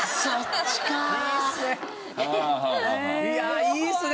いやいいっすね。